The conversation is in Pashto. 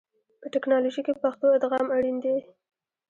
په ټکنالوژي کې پښتو ادغام اړین دی.